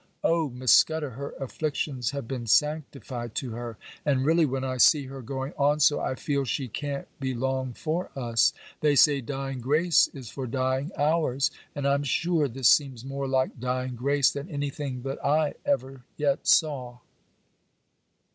Oh! Miss Scudder, her afflictions have been sanctified to her! And really, when I see her going on so, I feel she can't be long for us. They say dying grace is for dying hours; and I'm sure this seems more like dying grace than anything that I ever yet saw.